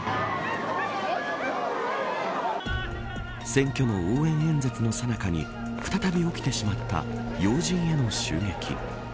選挙の応援演説のさなかに再び起きてしまった要人への襲撃。